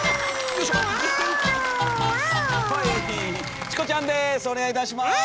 お願いいたします！